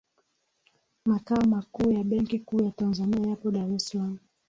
makao makuu ya benki kuu ya tanzania yapo dar es salaam